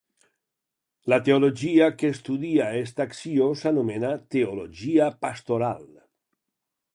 La teologia que estudia esta acció s'anomena teologia pastoral.